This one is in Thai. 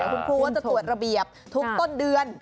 ผมพูดว่าจะตรวจระเบียบถูกต้นเดือน